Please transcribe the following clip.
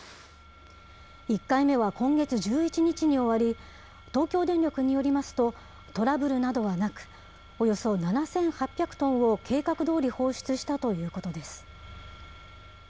１回目は今月１１日に終わり、東京電力によりますと、トラブルなどはなく、およそ７８００トンを計画どおり放出したということです。